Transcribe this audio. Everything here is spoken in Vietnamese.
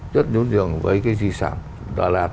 rất nhu nhường với cái di sản đà lạt